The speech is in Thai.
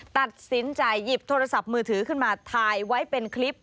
ตัดสินใจหยิบโทรศัพท์มือถือขึ้นมาถ่ายไว้เป็นคลิป